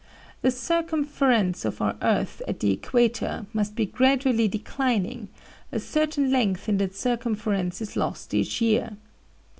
The circumference of our earth at the equator must be gradually declining; a certain length in that circumference is lost each year.